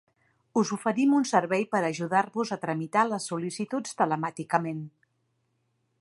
Us oferim un servei per ajudar-vos a tramitar les sol·licituds telemàticament.